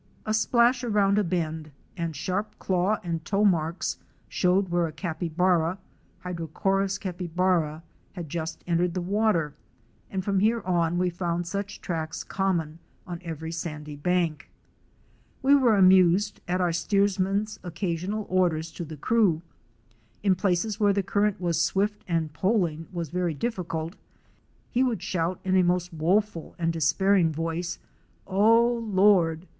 A splash around a bend, and sharp claw and toe marks showed where a capybara (Hydrochserus capybara) had just entered the water, and from here on we found such tracks common on every sandy bank. We were amused at our steersman's occasional orders to the crew. In places where the current was swift and poling was very difficult he would shout in a most woful and despair ing voice ""O Lord!"